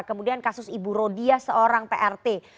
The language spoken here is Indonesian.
kemudian kasus ibu rodia seorang prt